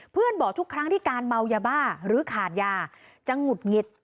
บอกทุกครั้งที่การเมายาบ้าหรือขาดยาจะหงุดหงิด